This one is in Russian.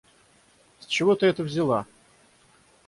С чего ты это взяла?